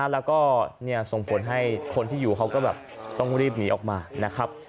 แล้วก็ส่งผลให้คนที่อยู่เขาก็แบบต้องรีบหนีออกมานะครับ